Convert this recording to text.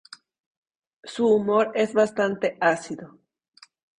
Su humor es bastante ácido.